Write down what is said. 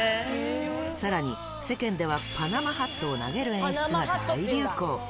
さらに、世間ではパナマハットを投げる演出が大流行。